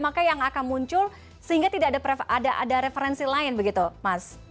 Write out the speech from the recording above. maka yang akan muncul sehingga tidak ada referensi lain begitu mas